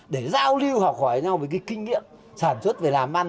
để giao lưu học hỏi nhau với kinh nghiệm sản xuất về làm ăn